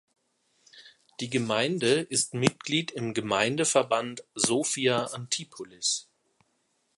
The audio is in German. Die Gemeinde ist Mitglied im Gemeindeverband Sophia Antipolis.